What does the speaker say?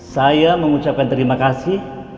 saya mengucapkan terima kasih